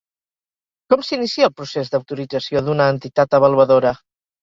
Com s'inicia el procés d'autorització d'una entitat avaluadora?